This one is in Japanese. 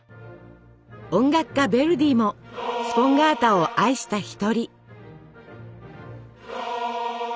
音楽家ヴェルディもスポンガータを愛した一人。